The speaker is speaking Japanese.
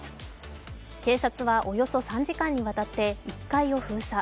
警察はおよそ３時間にわたって１階を封鎖。